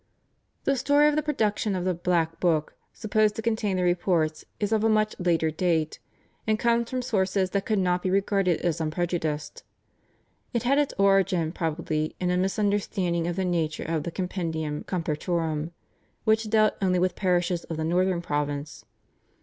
The story of the production of the "Black Book" supposed to contain the reports is of a much later date, and comes from sources that could not be regarded as unprejudiced. It had its origin probably in a misunderstanding of the nature of the /Compendium Compertorum/, which dealt only with parishes of the northern province.